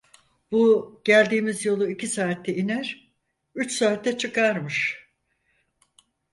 Bu geldiğimiz yolu iki saatte iner, üç saatte çıkarmış.